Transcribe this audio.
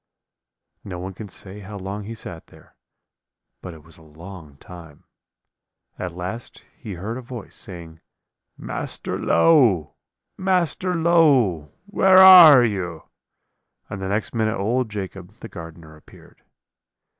"No one can say how long he sat there, but it was a long time; at last he heard a voice, saying, 'Master Low! Master Low! where are you?' and the next minute old Jacob, the gardener, appeared.